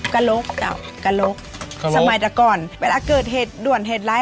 กะโลกเจ้ากะโลกสมัยก่อนเวลาเกิดเหตุด่วนเหตุร้าย